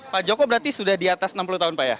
pak joko berarti sudah di atas enam puluh tahun pak ya